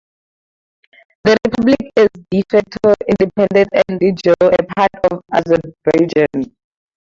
The republic is "de facto" independent and "de jure" a part of Azerbaijan.